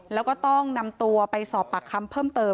แล้วก็ต้องนำตัวไปสอบปากคำเพิ่มเติม